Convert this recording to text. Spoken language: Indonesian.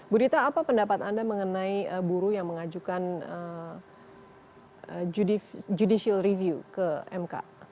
budita apa pendapat anda mengenai buruh yang mengajukan judicial review ke mk